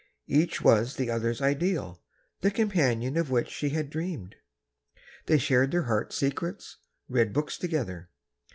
Each was the other's ideal—the companion of which she had dreamed. They shared their hearts' secrets, read books together.